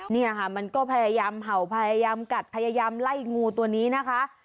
เนี่ยค่ะมันก็พยายามเห่าพยายามกัดพยายามไล่งูตัวนี้นะคะ